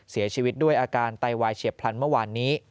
เสียชีวิตด้วยอาการไตวายเฉียบพลันเมื่อวานนี้